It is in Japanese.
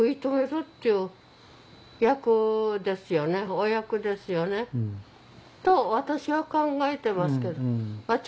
お役ですよね。と私は考えてますけど。